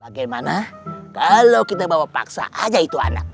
bagaimana kalau kita bawa paksa aja itu anak